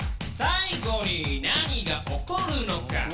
「最後に何が起こるのか」